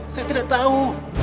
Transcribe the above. saya tidak tahu